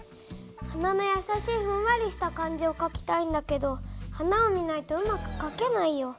花のやさしいふんわりした感じをかきたいんだけど花を見ないとうまくかけないよ。